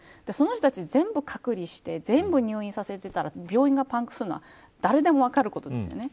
その人たちを全部隔離して全部入院させていたら病院がパンクするのは誰でも分かることです。